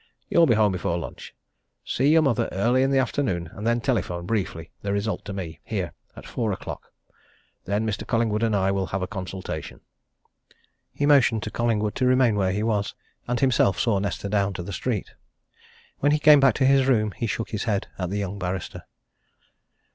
"You'll be home before lunch. See your mother early in the afternoon, and then telephone, briefly, the result to me, here, at four o'clock. Then Mr. Collingwood and I will have a consultation." He motioned Collingwood to remain where he was, and himself saw Nesta down to the street. When he came back to his room he shook his head at the young barrister.